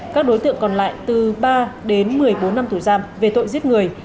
các đối tượng còn lại từ ba đến một mươi bốn năm tù giam về tội giết người